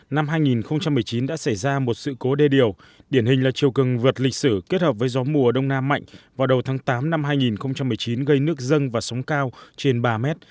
năm hai nghìn một mươi chín đã xảy ra một sự cố đê điều điển hình là chiều cường vượt lịch sử kết hợp với gió mùa đông nam mạnh vào đầu tháng tám năm hai nghìn một mươi chín gây nước dâng và sóng cao trên ba mét